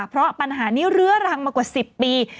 เพราะปัญหานี้เรื้อรังมากว่า๑๐ปี